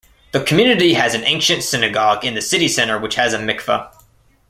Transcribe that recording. The community has an ancient synagogue in the city center which has a mikveh.